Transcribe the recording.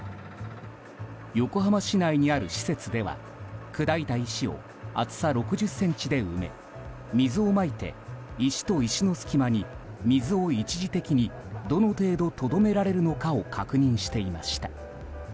横浜市内にある施設では砕いた石を厚さ６０ｃｍで埋め水をまいて石と石の隙間に水を一時的にどの程度とどめられるのかを確認していました。